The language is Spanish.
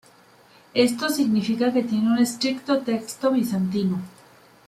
Esto significa que tiene un estricto texto bizantino.